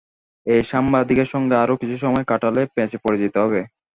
এই সাংবাদিকের সঙ্গে আরো কিছু সময় কাটালে প্যাঁচে পড়ে যেতে হবে।